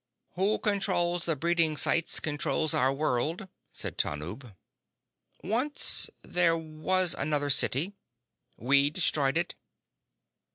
_ "Who controls the breeding sites controls our world," said Tanub. "Once there was another city. We destroyed it."